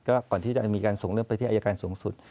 ก็ก่อนที่จะมีการส่งเรื่องไปที่อายการสูงสุด